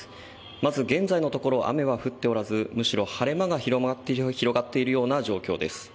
まず現在のところ雨は降っておらずむしろ晴れ間が広がっているような状況です。